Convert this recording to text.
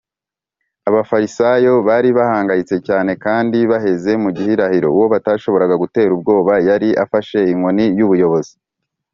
abafarisayo bari bahangayitse cyane kandi baheze mu gihirahiro uwo batashoboraga gutera ubwoba yari afashe inkoni y’ubuyobozi